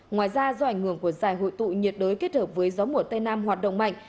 ngoài ra do ảnh hưởng của giải hội tụ nhiệt đới kết hợp với gió mùa tây nam hoạt động mạnh